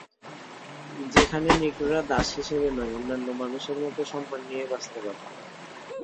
যেখানে নিগ্রোরা দাস হিসেবে নয়, অন্যান্য মানুষের মতোই সম্মান নিয়ে বাঁচতে পারে।